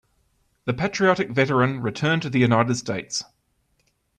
The patriotic veteran returned to the United States.